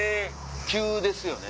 急ですよね。